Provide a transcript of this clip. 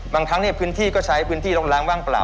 บางครั้งพื้นที่ก็ใช้พื้นที่ลกล้างว่างเปล่า